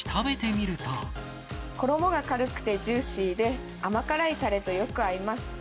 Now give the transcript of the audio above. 衣が軽くてジューシーで、甘辛いたれとよく合います。